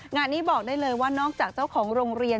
งานนี้บอกได้เลยว่านอกจากเจ้าของโรงเรียน